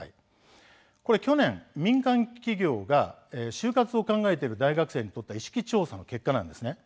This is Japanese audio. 去年、民間企業が就活を考えている大学生にとった意識調査の結果です。